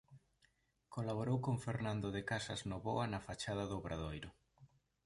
Colaborou con Fernando de Casas Novoa na fachada do Obradoiro.